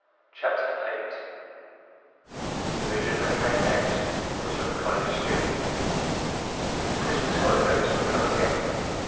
CHAPTER VIII The vision that came next was of a college student. The Christmas holidays were come again.